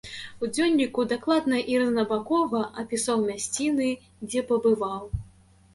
У дзённіку дакладна і рознабакова апісаў мясціны, дзе пабываў.